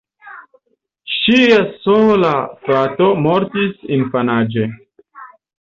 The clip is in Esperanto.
Ŝia sola frato mortis infanaĝe.